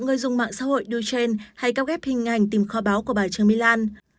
người dùng mạng xã hội duchenne hay các ghép hình ảnh tìm kho báo của bà trương my lan